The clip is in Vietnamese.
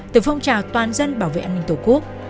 từ phong trào toàn dân bảo vệ an ninh tổ quốc